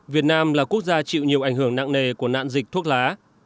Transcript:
việt nam là quốc gia chịu nhiều ảnh hưởng nặng nề của nạn dịch thuốc lá